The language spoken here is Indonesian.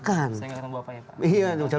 saya ingatkan bapak ya pak